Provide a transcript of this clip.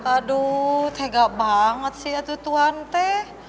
aduh tega banget sih ya tuh tuan teh